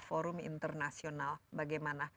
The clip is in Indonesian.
forum internasional bagaimana